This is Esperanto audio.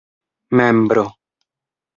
membro